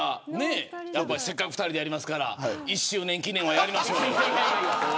せっかく２人でやりますから１周年記念はやりましょう。